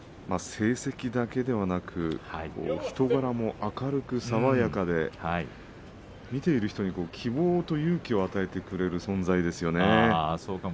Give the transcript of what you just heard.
成績だけではなく人柄も明るく、爽やかで見ている人に希望と勇気を与えてくれる存在ですよね。